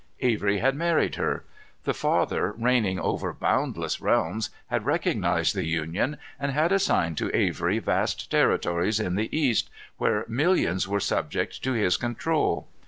Avery had married her. The father, reigning over boundless realms, had recognized the union, and had assigned to Avery vast territories in the East, where millions were subject to his control.